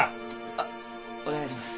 あっお願いします。